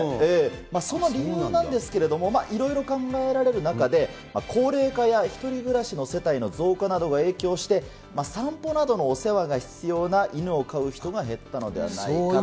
その理由なんですけれども、いろいろ考えられる中で、高齢化や１人暮らしの世帯の増加などが影響して、散歩などのお世話が必要な犬を飼う人が減ったのではないかと。